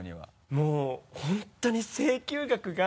もう本当に請求額が。